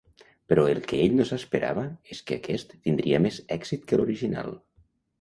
Però el que ell no s’esperava és que aquest tindria més èxit que l'original.